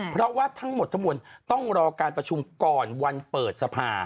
เพราะว่าทั้งหมดทั้งมวลต้องรอการประชุมก่อนวันเปิดสภา